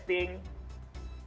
tidak ada testing